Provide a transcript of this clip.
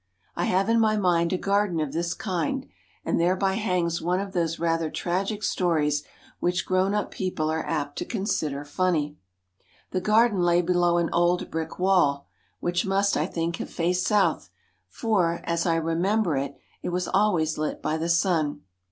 I have in my mind a garden of this kind, and thereby hangs one of those rather tragic stories which grown up people are apt to consider funny. The garden lay below an old brick wall, which must, I think, have faced south, for, as I remember it, it was always lit by the sun.